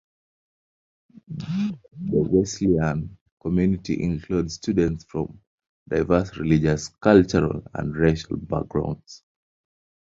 The Wesleyan community includes students from diverse religious, cultural, and racial backgrounds.